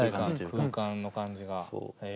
空間の感じがへえ！